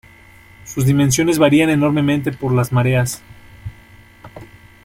Sus dimensiones varían enormemente por las mareas.